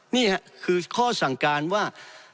นี่ค่ะคือข้อสั่งการว่า